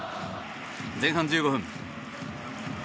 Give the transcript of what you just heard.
前半１５分